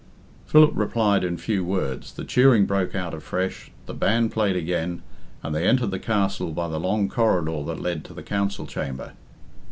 Philip replied in few words, the cheering broke out afresh, the band played again, and they entered the castle by the long corridor that led to the council chamber.